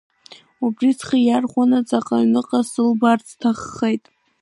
Убри схы иархәаны ҵаҟа аҩныҟа сылбаарц сҭаххеит.